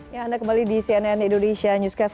ya anda kembali di cnn indonesia newscast